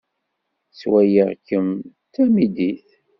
Ttwaliɣ-kem d tamidit.